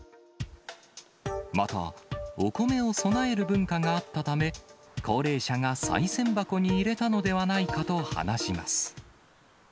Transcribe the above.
また、お米を供える文化があったため、高齢者がさい銭箱に入れたのではないかと話します。